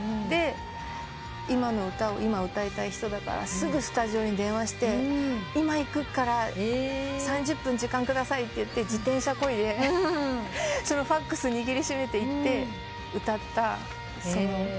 で今の歌を今歌いたい人だからすぐスタジオに電話して「今行くから３０分時間下さい」って言って自転車こいでファクス握り締めて行って歌った。